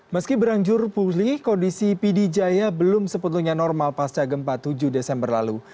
meski berangjur pulih kondisi p d jaya belum sebetulnya normal pasca gempa tujuh desember lalu